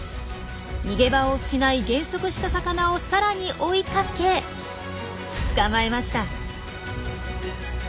逃げ場を失い減速した魚をさらに追いかけ捕まえました！